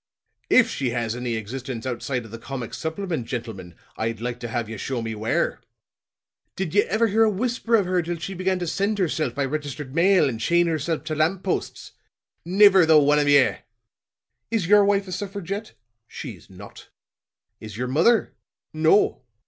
If she has any existence outside of the comic supplement, gentlemen, I'd like to have ye show me where. Did ye ever hear a whisper of her till she began to send herself by registered mail and chain herself to lamp posts? Niver the one of ye! Is your wife a suffragette? She's not. Is your mother? No.